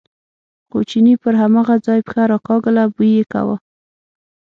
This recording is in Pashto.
خو چیني پر هماغه ځای پښه راکاږله، بوی یې کاوه.